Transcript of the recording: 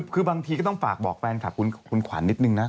คือบางทีก็ต้องฝากบอกแฟนคลับคุณขวัญนิดนึงนะ